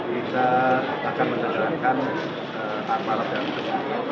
kita akan menerjakan aparatur sifri